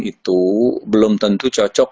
itu belum tentu cocok